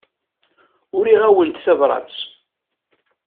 Uriɣ-awent tabrat.